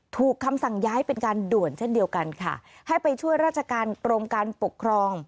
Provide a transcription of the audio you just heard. คำสั่งย้ายเป็นการด่วนเช่นเดียวกันค่ะให้ไปช่วยราชการกรมการปกครอง